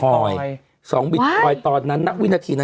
คือคือคือคือคือ